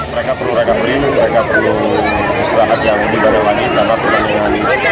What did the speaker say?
pertama istirahat yang lebih banyak lagi dalam pertandingan